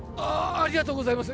ありがとうございます